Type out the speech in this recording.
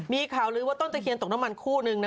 มีข่าวลือว่าต้นตะเคียนตกน้ำมันคู่นึง